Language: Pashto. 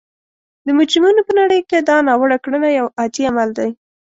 د مجرمینو په نړۍ کې دا ناوړه کړنه یو عادي عمل دی